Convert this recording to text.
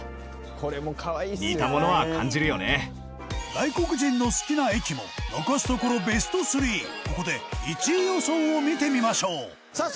外国人の好きな駅も残すところ、ベスト３ここで１位予想を見てみましょう田中：